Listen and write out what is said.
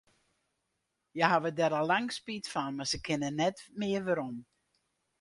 Hja hawwe dêr al lang spyt fan, mar se kinne net mear werom.